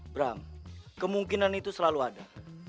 bram kemungkinan itu selalu ada